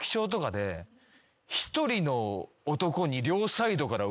１人の男に。